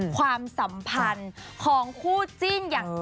ความสัมพันธ์ของคู่จิ้นอย่าง